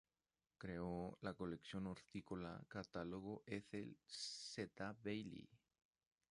Creó la Colección Hortícola Catálogo Ethel Z. Bailey.